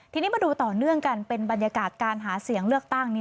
ทีนี้มาดูต่อเนื่องกันเป็นบรรยากาศการหาเสียงเลือกตั้ง